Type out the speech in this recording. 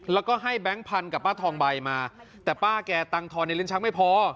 แล้วก็ให้แบงค์พันธุ์กับป้าทองใบมาแต่ป้าแกตังทองในลิ้นชักไม่พอ